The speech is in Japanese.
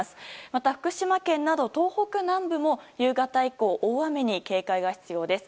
また福島県など東北南部も夕方以降、大雨に警戒が必要です。